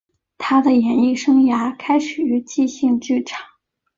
他的演艺生涯开始于即兴剧场。